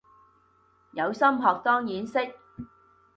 有心學當然識